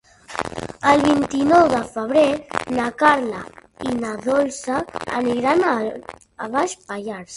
El vint-i-nou de febrer na Carla i na Dolça aniran a Baix Pallars.